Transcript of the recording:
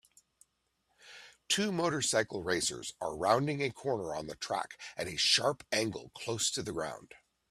Two motorcycle racers are rounding a corner on the track at a sharp angle close to the ground